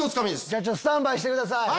じゃあスタンバイしてください。